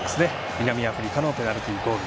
南アフリカのペナルティーゴール。